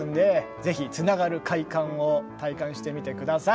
ぜひつながる快感を体感してみてください。